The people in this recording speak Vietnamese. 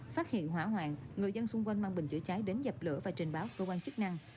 phát hiện hỏa hoạn người dân xung quanh mang bình chữa cháy đến dập lửa và trình báo cơ quan chức năng